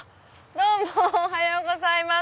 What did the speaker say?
どうもおはようございます。